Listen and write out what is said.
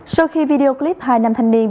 sau khi video clip hai năm thanh niên